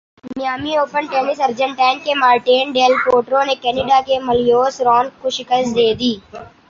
Miami Open tennis Argentine کے Martin Del Potro نے Canada کے ملیوس رانک کو شکست دے دی